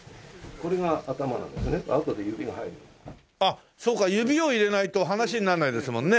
あっそうか指を入れないと話にならないですもんね。